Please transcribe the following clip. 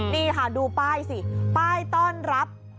นี่ค่ะดูป้ายสิป้ายต้อนรับ